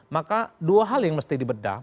maka dua hal yang mesti di bedah